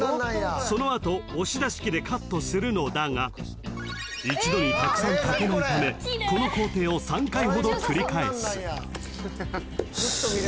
［その後押し出し器でカットするのだが一度にたくさん炊けないためこの工程を３回ほど繰り返す］